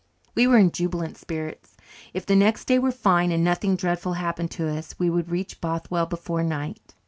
We were in jubilant spirits. If the next day were fine and nothing dreadful happened to us, we would reach Bothwell before night.